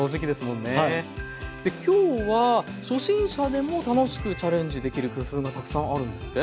今日は初心者でも楽しくチャレンジできる工夫がたくさんあるんですって？